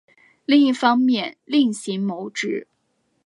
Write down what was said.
另一方面另行谋职